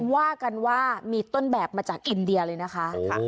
ว่ากันว่ามีต้นแบบมาจากอินเดียเลยนะคะ